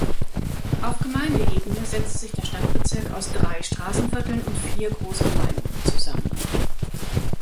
Auf Gemeindeebene setzt sich der Stadtbezirk aus drei Straßenvierteln und vier Großgemeinden zusammen.